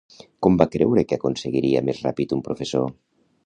Com va creure que aconseguiria més ràpid un professor?